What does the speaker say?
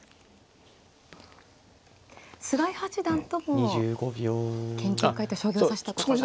菅井八段とも研究会と将棋を指したことが。